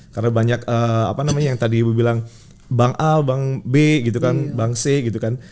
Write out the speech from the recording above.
karena banyak apa namanya yang tadi ibu bilang bank a bank b gitu kan bank c gitu kan